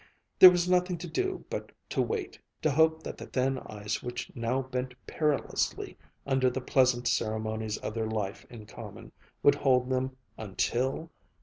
There was nothing to do but to wait, to hope that the thin ice which now bent perilously under the pleasant ceremonies of their life in common, would hold them until....